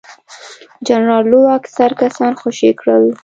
جنرال لو اکثر کسان خوشي کړل.